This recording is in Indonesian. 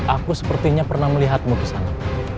aku sepertinya pernah melihatmu kesana